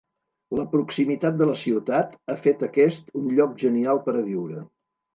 La proximitat de la ciutat ha fet aquest un lloc genial per a viure.